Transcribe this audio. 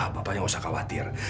bapak jangan khawatir